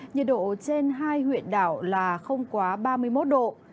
nhiệt độ trên hai huyện đảo là không quá ba mươi một độ